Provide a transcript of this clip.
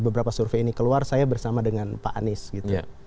beberapa survei ini keluar saya bersama dengan pak anies gitu